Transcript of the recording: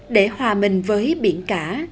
để hòa mình với biển cả